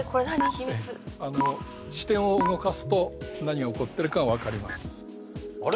秘密あの視点を動かすと何が起こってるか分かりますあれ？